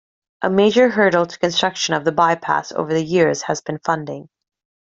A major hurdle to construction of the bypass over the years has been funding.